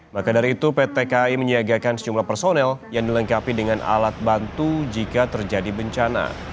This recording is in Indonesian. maka dari itu pt kai menyiagakan sejumlah personel yang dilengkapi dengan alat bantu jika terjadi bencana